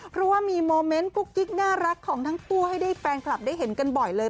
เพราะว่ามีโมเมนต์กุ๊กกิ๊กน่ารักของทั้งคู่ให้ได้แฟนคลับได้เห็นกันบ่อยเลย